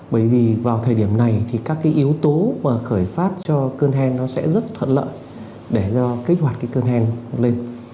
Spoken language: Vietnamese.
bởi vì vào thời điểm này các yếu tố khởi phát cho cơn hen sẽ rất thuận lợi để kích hoạt cơn hen lên